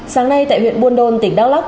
sáng nay tại huyện buôn đôn tỉnh đao lóc